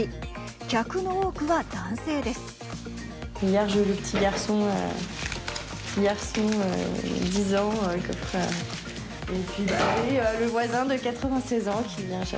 客の多くは男性です。